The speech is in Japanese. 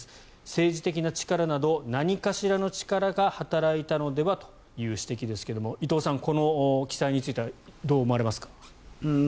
政治的な力など何かしらの力が働いたのではという指摘ですが伊藤さん、この記載についてはどう思われますか？